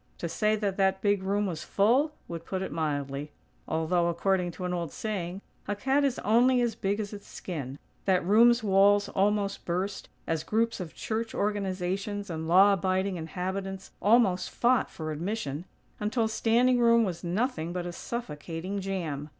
To say that that big room was full, would put it mildly. Although, according to an old saying, "a cat is only as big as its skin," that room's walls almost burst, as groups of church organizations and law abiding inhabitants almost fought for admission; until standing room was nothing but a suffocating jam.